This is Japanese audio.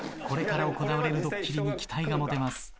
これから行われるドッキリに期待が持てます。